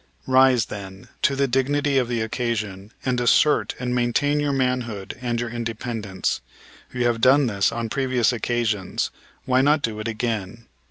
Rise, then, to the dignity of the occasion and assert and maintain your manhood and your independence. You have done this on previous occasions, why not do it again?